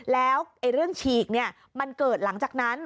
แล้วเรื่องฉีกมันเกิดหลังจากนั้น